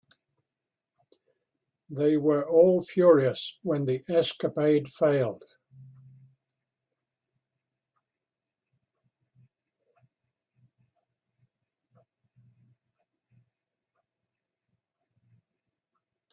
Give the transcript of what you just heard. They were all furious when the escapade failed.